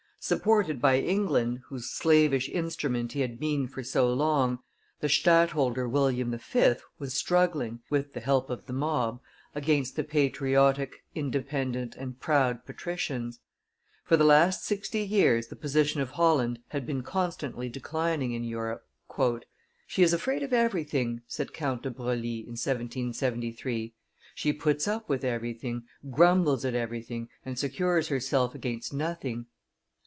Supported by England, whose slavish instrument he had been for so long, the stadtholder William V. was struggling, with the help of the mob, against the patriotic, independent, and proud patricians. For the last sixty years the position of Holland had been constantly declining in Europe. "She is afraid of everything," said Count de Broglie in 1773; "she puts up with everything, grumbles at everything, and secures herself against nothing."